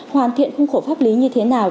hoàn thiện khung khổ pháp lý như thế nào